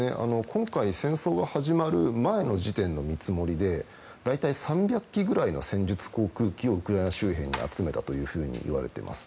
今回、戦争が始まる前の時点の見積もりで大体３００機ぐらいの戦術航空機をウクライナ周辺に集めたというふうにいわれています。